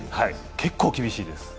結構厳しいです。